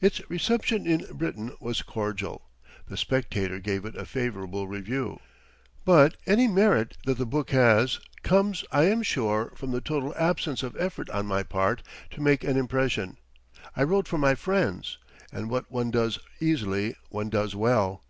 Its reception in Britain was cordial; the "Spectator" gave it a favorable review. But any merit that the book has comes, I am sure, from the total absence of effort on my part to make an impression. I wrote for my friends; and what one does easily, one does well.